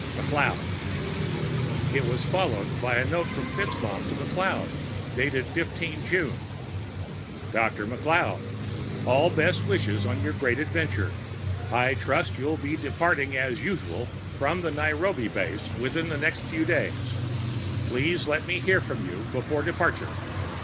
_ McLeod It was followed by a note from FitzMaugham to McLeod, dated 15 June: Dr. McLeod: _All best wishes on your great adventure. I trust you'll be departing, as usual, from the Nairobi base within the next few days. Please let me hear from you before departure.